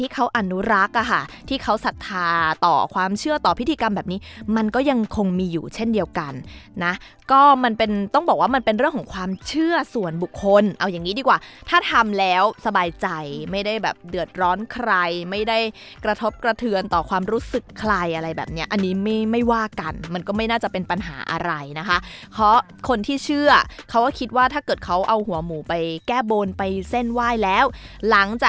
เขาอนุรักษ์อะค่ะที่เขาสัทธาต่อความเชื่อต่อพิธีกรรมแบบนี้มันก็ยังคงมีอยู่เช่นเดียวกันนะก็มันเป็นต้องบอกว่ามันเป็นเรื่องของความเชื่อส่วนบุคคลเอาอย่างนี้ดีกว่าถ้าทำแล้วสบายใจไม่ได้แบบเดือดร้อนใครไม่ได้กระทบกระเทือนต่อความรู้สึกใครอะไรแบบเนี้ยอันนี้ไม่ไม่ว่ากันมันก็ไม่น่าจะ